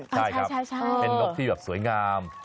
ใช่ครับเป็นนกที่แบบสวยงาม